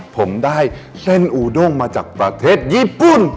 ผมได้เส้นอูด้งมาจากประเทศญี่ปุ่น